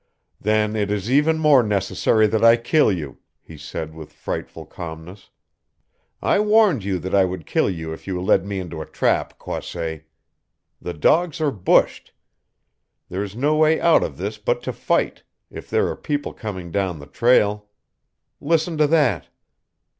"Then it is even more necessary that I kill you," he said with frightful calmness. "I warned you that I would kill you if you led me into a trap, Croisset. The dogs are bushed. There is no way out of this but to fight if there are people coming down the trail. Listen to that!"